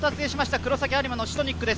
黒崎播磨のシトニックです。